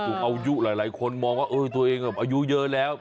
อายุหลายคนมองว่าตัวเองอายุเยอะแล้ว